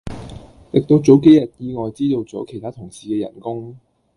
直到早幾日意外知道咗其他同事既人工